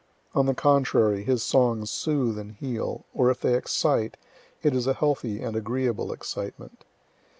On the contrary, his songs soothe and heal, or if they excite, it is a healthy and agreeable excitement.